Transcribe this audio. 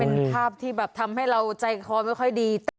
เป็นภาพที่แบบทำให้เราใจคอไม่ค่อยดี